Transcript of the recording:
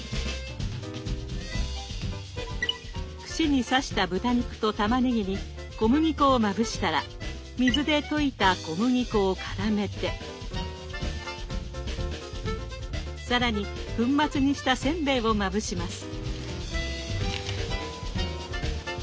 串に刺した豚肉とたまねぎに小麦粉をまぶしたら水で溶いた小麦粉をからめて更に粉末にしたせんべいをまぶします。